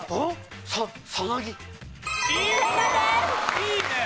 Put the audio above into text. いいね！